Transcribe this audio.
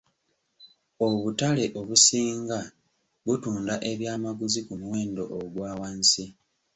Obutale obusinga butunda ebyamaguzi ku muwendo ogwa wansi.